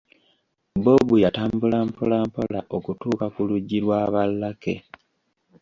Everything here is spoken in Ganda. Bob Yatambula mpolampola okutuuka ku luggi lwa ba Lucky.